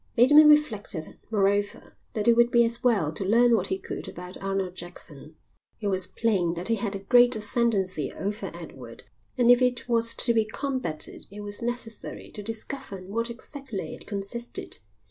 Bateman reflected, moreover, that it would be as well to learn what he could about Arnold Jackson. It was plain that he had a great ascendency over Edward, and if it was to be combated it was necessary to discover in what exactly it consisted.